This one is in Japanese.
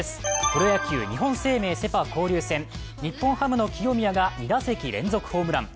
プロ野球、日本生命セ・パ交流戦日本ハムの清宮が２打席連続ホームラン。